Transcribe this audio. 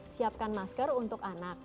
siapkan masker untuk anak